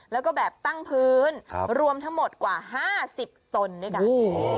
แล้วก็แบบตั้งพื้นรวมทั้งหมดกว่า๕๐ตนด้วยกัน